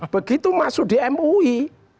begitu masuk di mui